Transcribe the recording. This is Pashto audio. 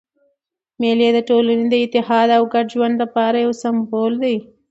مېلې د ټولني د اتحاد او ګډ ژوند له پاره یو سېمبول دئ.